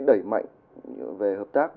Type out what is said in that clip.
đẩy mạnh về hợp tác